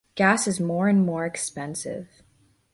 Gas is more and more expensive.